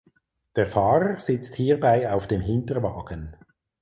Der Fahrer sitzt hierbei auf dem Hinterwagen.